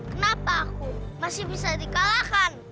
kenapa aku masih bisa dikalahkan